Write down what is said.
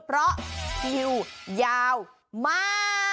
เพราะคิวยาวมาก